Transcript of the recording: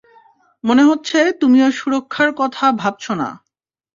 মনে হচ্ছে তুমি ওর সুরক্ষার কথা ভাবছ না।